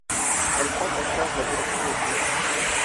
Elle prend en charge la direction des finances.